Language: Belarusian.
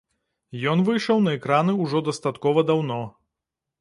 Ён выйшаў на экраны ўжо дастаткова даўно.